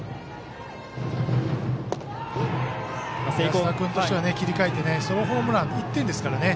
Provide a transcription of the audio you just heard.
聖光学院としては切り替えてソロホームラン、１点ですからね。